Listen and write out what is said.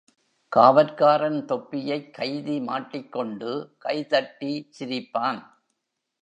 காவற்காரன் தொப்பியைக் கைதி மாட்டிக்கொண்டு கைதட்டி சிரிப்பான்.